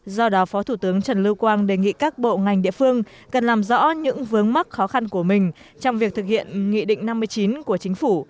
do đó phó thủ tướng trần lưu quang đề nghị các bộ ngành địa phương cần làm rõ những vướng mắc khó khăn của mình trong việc thực hiện nghị định năm mươi chín của chính phủ